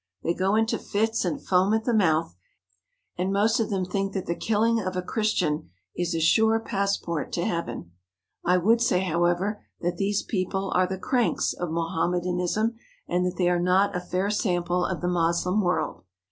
They go into fits and foam at the mouth, and most of them think that the killing of a Christian is a sure passport to heaven. I would say, however, that these people are the cranks of Mohammedanism, and that they are not a fair sample of the Moslem world.